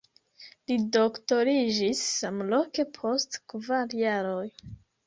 Li doktoriĝis samloke post kvar jaroj.